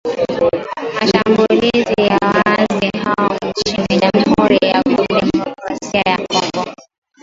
mashambulizi ya waasi hao nchini jamhuri ya kidemokrasia ya Kongo